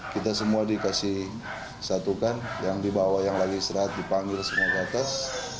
kita semua dikasih satukan yang dibawa yang lagi istirahat dipanggil semua ke atas